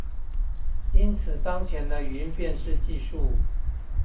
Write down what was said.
因此當前的語音辨識技術